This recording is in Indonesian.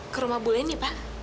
ke rumah ibu leni pak